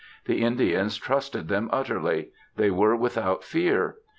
The Indians trusted them utterly; they were without fear.